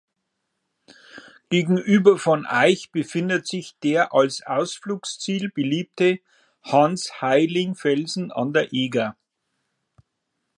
Gegenüber von Aich befindet sich der als Ausflugsziel beliebte Hans-Heiling-Felsen an der Eger.